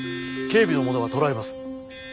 警備の者が捕らえます。